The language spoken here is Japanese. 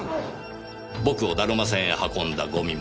僕をだるま船へ運んだ五味も。